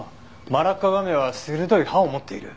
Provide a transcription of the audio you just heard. マラッカガメは鋭い歯を持っている。